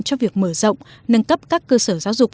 cho việc mở rộng nâng cấp các cơ sở giáo dục